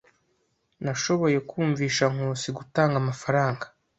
Nashoboye kumvisha Nkusi gutanga amafaranga.